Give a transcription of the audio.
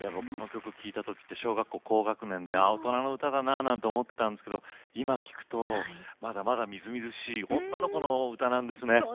この曲を聴いたときは僕は小学校高学年で大人の歌だなと思っていたんですが今聴くとまだまだみずみずしい女の子の歌なんですね。